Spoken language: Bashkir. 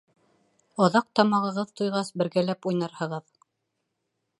Аҙаҡ, тамағығыҙ туйғас, бергәләп уйнарһығыҙ.